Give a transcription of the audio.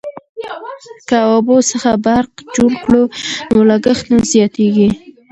که اوبو څخه برق جوړ کړو نو لګښت نه زیاتیږي.